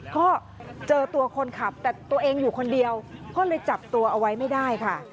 ก็เจอตัวคนขับแต่ตัวเองอยู่คนเดียวก็เลยจับตัวเอาไว้ไม่ได้ค่ะ